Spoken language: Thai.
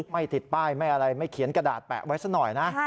ไม่ติดป้ายไม่อะไรไม่เขียนกระดาษแปะไว้สักหน่อยนะ